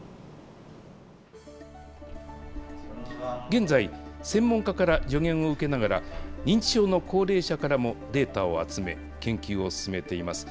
現在、専門家から助言を受けながら、認知症の高齢者からもデータを集め、研究を進めています。